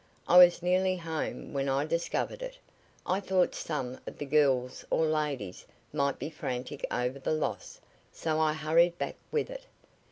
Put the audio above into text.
I was nearly home when I discovered it. I thought some of the girls or ladies might be frantic over the loss, so I hurried back with it."